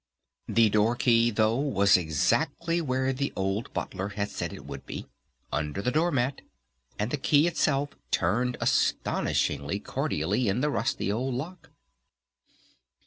The door key, though, was exactly where the old Butler had said it would be, under the door mat, and the key itself turned astonishingly cordially in the rusty old lock.